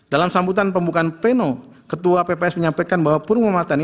dalam sambutan pembukaan peno ketua pps menyampaikan bahwa purwomartani